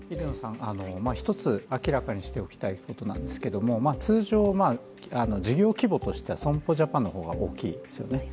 １つ明らかにしておきたいことなんですけれども、通常、事業規模としては損保ジャパンの方が大きいですよね。